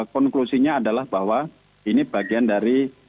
konklusinya adalah bahwa ini bagian dari